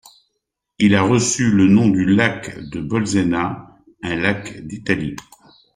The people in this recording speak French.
Il a reçu le nom du lac de Bolsena, un lac d'Italie.